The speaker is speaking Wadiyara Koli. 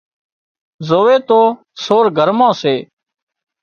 زووي تو سور گھر مان سي